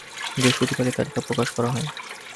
বৃহস্পতিবার এ তালিকা প্রকাশ করা হয়।